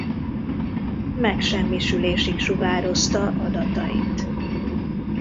Megsemmisülésig sugározta adatait.